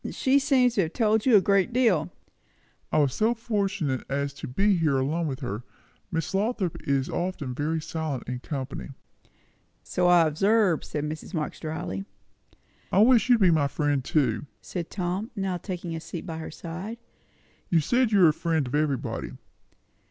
"She seems to have told you a good deal." "I was so fortunate as to be here alone with her. Miss Lothrop is often very silent in company." "So I observe," said Mrs. Marx dryly. "I wish you'd be my friend too!" said Tom, now taking a seat by her side. "You said you are a friend of everybody."